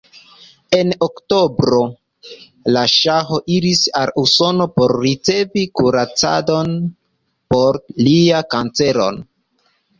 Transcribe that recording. En oktobro la ŝaho iris al Usono por ricevi kuracadon por lia kancero.